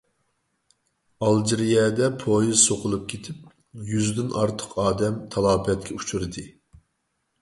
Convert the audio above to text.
ئالجىرىيەدە پويىز سوقۇلۇپ كېتىپ، يۈزدىن ئارتۇق ئادەم تالاپەتكە ئۇچرىدى.